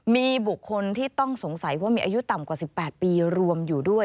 มีบุคคลที่ต้องสงสัยว่ามีอายุต่ำกว่า๑๘ปีรวมอยู่ด้วย